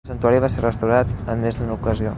El santuari va ser restaurat en més d'una ocasió.